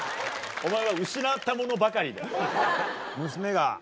お前は失ったものばかりだよ。